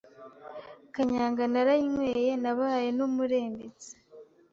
Kanyanga narayinyweye nabaye n’umurembetsi,